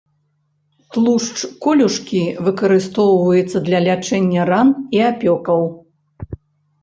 Тлушч колюшкі выкарыстоўваецца для лячэння ран і апёкаў.